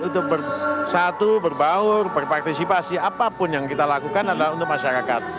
untuk bersatu berbaur berpartisipasi apapun yang kita lakukan adalah untuk masyarakat